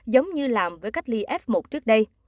giống như làm với cách ly f một trước đây